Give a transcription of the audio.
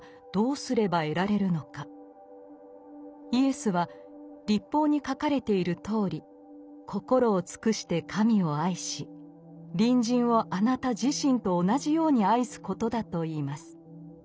イエスは律法に書かれているとおり心を尽くして神を愛し隣人をあなた自身と同じように愛すことだと言います。